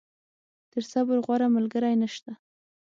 تر صبر، غوره ملګری نشته.